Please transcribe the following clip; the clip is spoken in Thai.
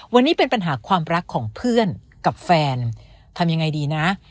วันนี้เป็นปัญหาความรักของเพื่อนกับแฟนทำยังไงดีนะ